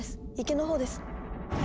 池のほうです。